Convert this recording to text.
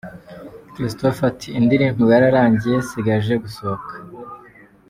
Christopher ati "indirimbo yararangiye isigaje gusohoka".